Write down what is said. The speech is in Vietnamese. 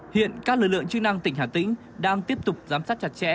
hiện các lực lượng chức năng tỉnh hà tĩnh đang tiếp tục giám sát chặt chẽ